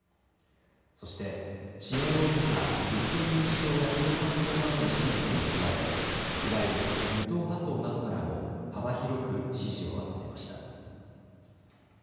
そして支援を受けた立憲民主党や共産党などの支持層に加えいわゆる無党派層などからも幅広く支持を集めました。